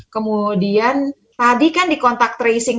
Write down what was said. kemudian tadi kan di kontak tracing